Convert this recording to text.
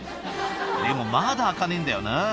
でもまだ開かねえんだよな。